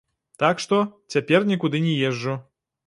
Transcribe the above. Так што, цяпер нікуды не езджу.